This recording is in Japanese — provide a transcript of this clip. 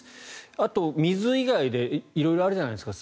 あと、水以外で色々あるじゃないですか